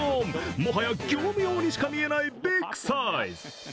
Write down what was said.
もはや業務用にしか見えないビッグサイズ。